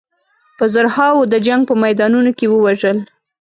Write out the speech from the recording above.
په زرهاوو یې د جنګ په میدانونو کې ووژل.